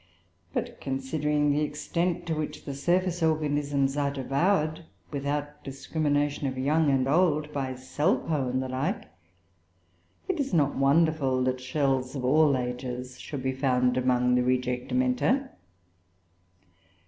But considering the extent to which the surface organisms are devoured, without discrimination of young and old, by Salpoe and the like, it is not wonderful that shells of all ages should be among the rejectamenta.